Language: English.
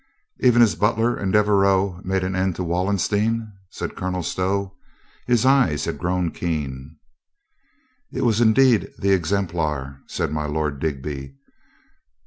' "Even as Butler and Devereaux made an end of Wallenstein," said Colonel Stow. His eyes had grown keen. "It was indeed the exemplar," said my Lord Dig by.